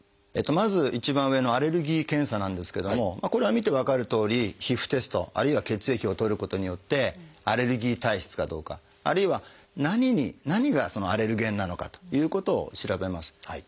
まず一番上の「アレルギー検査」なんですけどもこれは見て分かるとおり皮膚テストあるいは血液を採ることによってアレルギー体質かどうかあるいは何がアレルゲンなのかということを調べます。